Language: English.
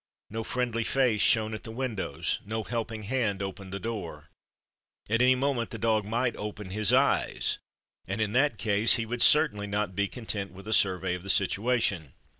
No friendly face shone at the windows, no helping hand opened the door. At any moment the dog might open his eyes, and, in that case, he would certainly not be content with a survey of the situation.